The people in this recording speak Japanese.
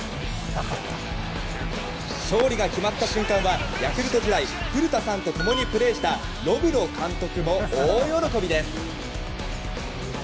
勝利が決まった瞬間はヤクルト時代古田さんと共にプレーしたロブロ監督も大喜びです。